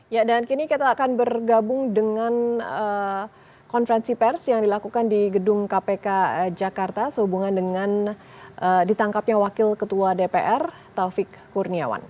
ya dan kini kita akan bergabung dengan konferensi pers yang dilakukan di gedung kpk jakarta sehubungan dengan ditangkapnya wakil ketua dpr taufik kurniawan